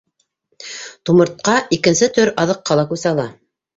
Тумыртҡа икенсе төр аҙыҡҡа ла күсә ала.